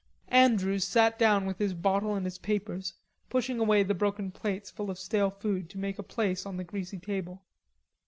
Andrews sat down with his bottle and his papers, pushing away the broken plates full of stale food to make a place on the greasy table.